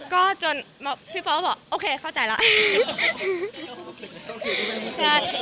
ก็จนพี่ฟ้องบอกโอเคเข้าใจแล้ว